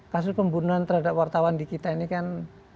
kasus pembunuhan terhadap wartawan di kita ini kan